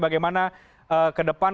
bagaimana ke depan